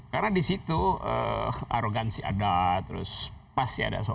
karena di situ arogansi ada terus pasti ada soal